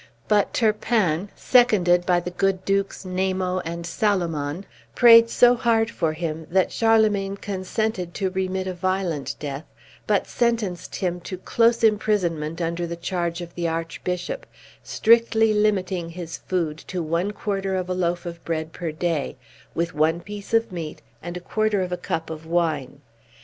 But Turpin, seconded by the good Dukes Namo and Salomon, prayed so hard for him that Charlemagne consented to remit a violent death, but sentenced him to close imprisonment, under the charge of the Archbishop, strictly limiting his food to one quarter of a loaf of bread per day, with one piece of meat, and a quarter of a cup of wine.